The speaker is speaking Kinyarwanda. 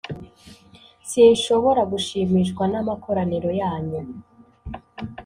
sinshobora gushimishwa n’amakoraniro yanyu,